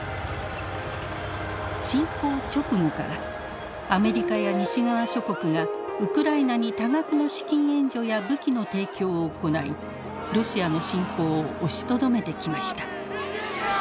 侵攻直後からアメリカや西側諸国がウクライナに多額の資金援助や武器の提供を行いロシアの侵攻を押しとどめてきました。